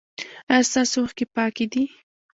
ایا ستاسو اوښکې پاکې دي؟